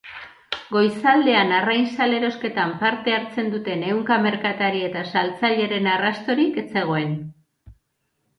Goizaldean arrain salerosketan parte hartzen duten ehunka merkatari eta saltzaileren arrastorik ez zegoen.